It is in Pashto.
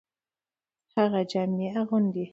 هغه جامي اغوندي .